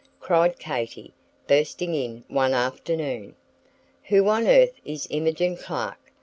cried Katy, bursting in one afternoon. "Who on earth is Imogen Clark?